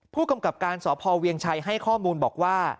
ผู้กำกับการสพเวียงชัยให้ข้อมูลบอกว่า